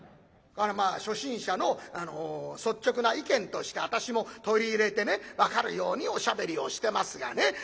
まあ初心者の率直な意見として私も取り入れてね分かるようにおしゃべりをしてますがね。